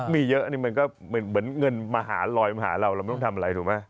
มีเยอะนี่มันก็เหมือนเงินมหาลอยมาหาเราเราไม่ต้องทำอะไรถูกไหม